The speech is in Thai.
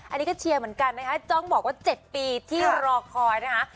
อันนี้ก็เชียร์เหมือนกันนะคะจ้องบอกว่า๗ปีที่รอคอยนะคะ